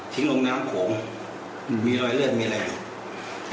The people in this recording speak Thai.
ลงน้ำโขงมีรอยเลือดมีอะไร